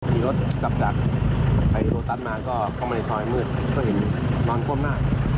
ขี่รถกลับจากไอ้โลตัสมาก็เข้ามาในซอยมืดเพื่อเห็นนอนคว่ำหน้า